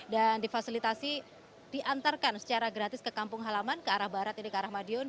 dan difasilitasi diantarkan secara gratis ke kampung halaman ke arah barat ini ke arah madiun